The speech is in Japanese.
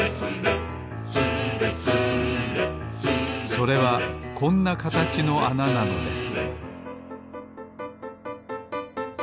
それはこんなかたちのあななのです